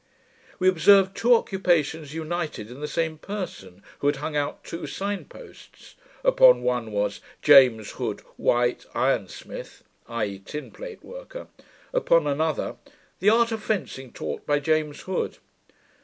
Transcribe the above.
We observed two occupations united in the same person, who had hung out two sign posts. Upon one was, JAMES HOOD, WHITE IRON SMITH (i.e. tin plate worker). Upon another, THE ART OF FENCING TAUGHT, BY JAMES HOOD.